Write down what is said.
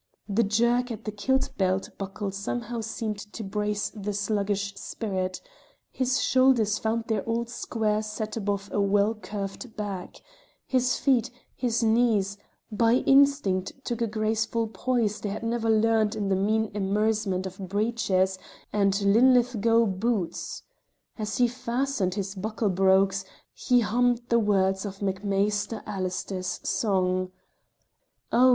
The jerk at the kilt belt buckle somehow seemed to brace the sluggish spirit; his shoulders found their old square set above a well curved back; his feet his knees by an instinct took a graceful poise they had never learned in the mean immersement of breeches and Linlithgow boots. As he fastened his buckled brogues, he hummed the words of MacMhaister Allister's songs: "Oh!